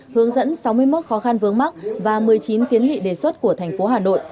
hướng dẫn sáu mươi một khó khăn vướng mắt và một mươi chín kiến nghị đề xuất của thành phố hà nội